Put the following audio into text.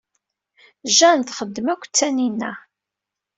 Jane txeddem akked Tanina.